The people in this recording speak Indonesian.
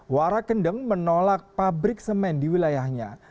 wara kendeng menolak pabrik semen di wilayahnya